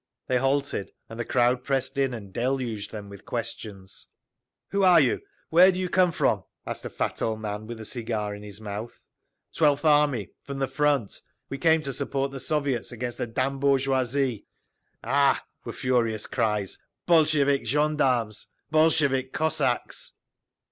They halted, and the crowd pressed in and deluged them with questions. "Who are you? Where do you come from?" asked a fat old man with a cigar in his mouth. "Twelfth Army. From the front. We came to support the Soviets against the damn' bourgeoisie!" "Ah!" were furious cries. "Bolshevik gendarmes! Bolshevik Cossacks!"